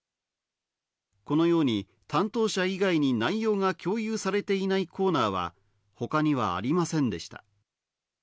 このように担当者以外に内容が共有されていないコーナーは他にはありませんでした。